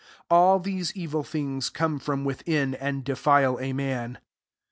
23 All these evil things come u*om within, and defile a man."